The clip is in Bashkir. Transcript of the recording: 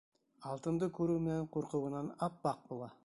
Алтынды күреү менән ҡурҡыуынан ап-аҡ була: